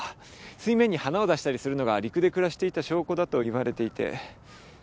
水面に花を出したりするのが陸で暮らしていた証拠だといわれていて。